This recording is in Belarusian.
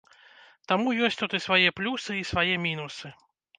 Таму ёсць тут і свае плюсы, і свае мінусы.